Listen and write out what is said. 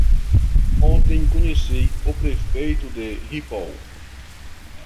Ontem conheci o prefeito de Ripoll.